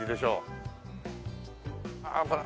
あっほら